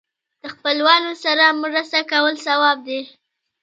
د خپلوانو سره مرسته کول ثواب دی.